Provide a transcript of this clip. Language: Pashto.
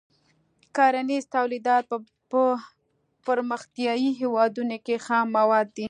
کرنیز تولیدات په پرمختیايي هېوادونو کې خام مواد دي.